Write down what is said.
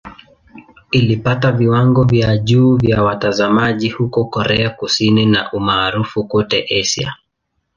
Ilipata viwango vya juu vya watazamaji huko Korea Kusini na umaarufu kote Asia.